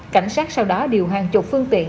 cảnh sát sau đó điều hàng chục phương tiện